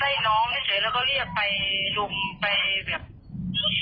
หมั่นไส้น้องนี่เฉยแล้วก็เรียกไปลุงไปแบบ